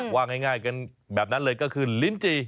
ว่าง่ายกันแบบนั้นเลยก็คือลิ้นจี